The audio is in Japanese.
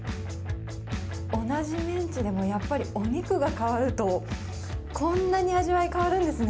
同じメンチでもやっぱりお肉が変わると、こんなに味わい変わるんですね。